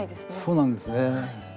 そうなんですね。